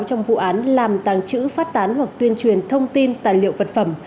trong vụ án làm tàng trữ phát tán hoặc tuyên truyền thông tin tài liệu vật phẩm